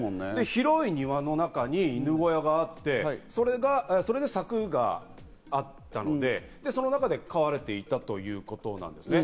広い庭の中に犬小屋があって、柵があったのでその中で飼われていたということなんですね。